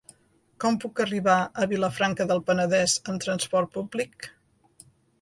Com puc arribar a Vilafranca del Penedès amb trasport públic?